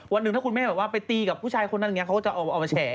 หนึ่งถ้าคุณแม่แบบว่าไปตีกับผู้ชายคนนั้นอย่างนี้เขาก็จะเอามาแฉ